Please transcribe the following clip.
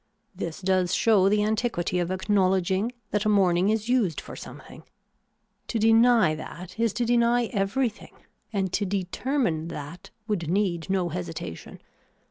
This does show the antiquity of acknowledging that a morning is used for something. To deny that is to deny everything and to determine that would need no hesitation.